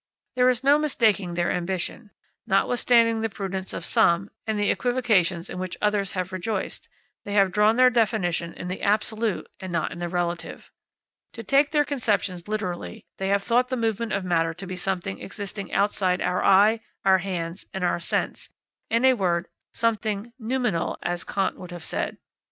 There is no mistaking their ambition, Notwithstanding the prudence of some and the equivocations in which others have rejoiced, they have drawn their definition in the absolute and not in the relative. To take their conceptions literally, they have thought the movement of matter to be something existing outside our eye, our hands, and our sense; in a word, something noumenal, as Kant would have said.